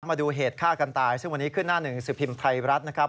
มาดูเหตุฆ่ากันตายซึ่งวันนี้ขึ้นหน้าหนึ่งสิบพิมพ์ไทยรัฐนะครับ